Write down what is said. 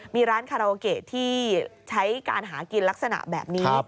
มีร้านคาราโอเกะที่ใช้การหากินลักษณะแบบนี้